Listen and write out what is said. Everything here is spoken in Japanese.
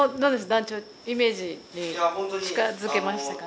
団長イメージに近づけましたか？